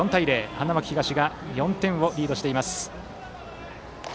花巻東が４点をリードしています。